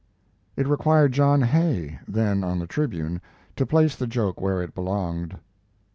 It required John Hay (then on the Tribune) to place the joke where it belonged.